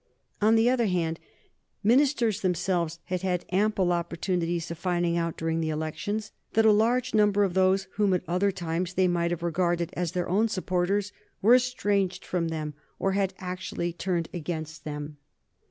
On the other hand, ministers themselves had had ample opportunities of finding out, during the elections, that a large number of those whom at other times they might have regarded as their own supporters were estranged from them or had actually turned against them.